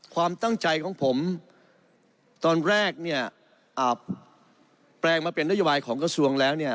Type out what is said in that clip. ความตั้งใจของผมตอนแรกเนี่ยแปลงมาเป็นนโยบายของกระทรวงแล้วเนี่ย